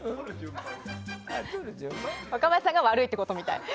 若林さんが悪いってことみたい。